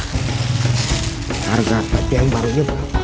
harga tap yang barunya berapa